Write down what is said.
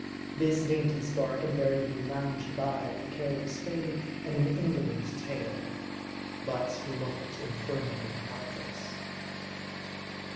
This dainty spark invariably lounged by with a careless fin and an indolent tail. But he looked infernally heartless.